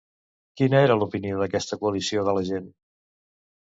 Quina era l'opinió d'aquesta coalició de la gent?